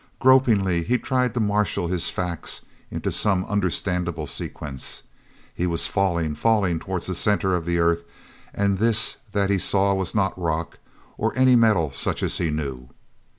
Gropingly he tried to marshal his facts into some understandable sequence. He was falling, falling toward the center of the earth, and this that he saw was not rock, or any metal such as he knew.